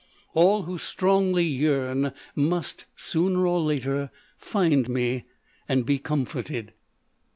All who strongly yearn must, sooner or later, find me and be comforted."